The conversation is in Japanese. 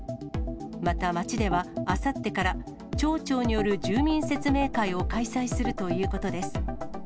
また町では、あさってから町長による住民説明会を開催するということです。